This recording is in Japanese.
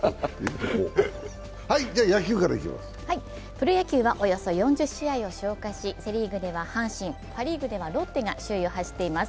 プロ野球はおよそ４０試合を消化し、セ・リーグでは阪神、パ・リーグではロッテが首位を走っています。